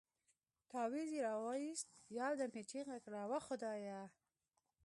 تاويز يې راوايست يو دم يې چيغه کړه وه خدايه.